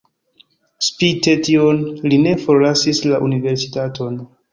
Spite tion li ne forlasis la universitaton.